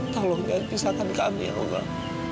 tolong jangan pisahkan kami ya allah